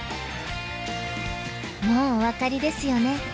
もうお分かりですよね。